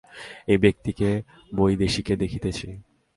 এ ব্যক্তিকে বৈদেশিকে দেখিতেছি।